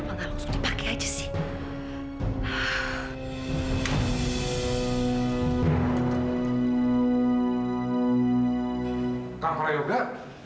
waktu gue nabrak alia